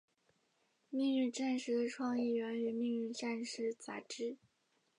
命运战士的创意源于命运战士杂志。